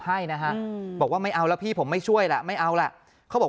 ให้นะฮะบอกว่าไม่เอาแล้วพี่ผมไม่ช่วยล่ะไม่เอาล่ะเขาบอก